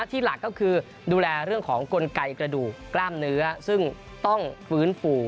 ที่หลักก็คือดูแลเรื่องของกลไกกระดูกกล้ามเนื้อซึ่งต้องฟื้นฟู